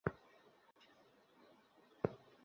কৃষ্ণাকান্ত জি, পুণামের জন্য, একটা ছেলে আমার মাথায় আছে।